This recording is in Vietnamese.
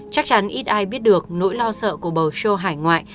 chắc chắn ít ai biết được nỗi lo sợ của bầu sô hải ngoại